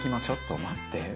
ちょっと待って。